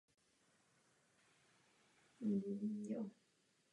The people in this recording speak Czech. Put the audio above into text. Nachází se na ulici Leninova v blízkosti střední školy.